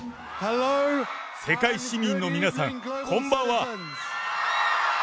世界市民の皆さん、こんばんは。